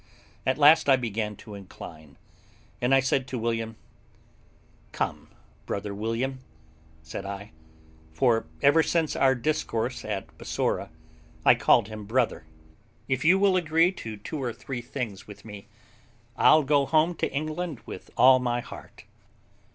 At last I began to incline; and I said to William, "Come, brother William," said I (for ever since our discourse at Bassorah I called him brother), "if you will agree to two or three things with me, I'll go home to England with all my heart."